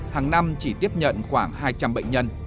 hàng năm chỉ tiếp nhận khoảng hai trăm linh bệnh nhân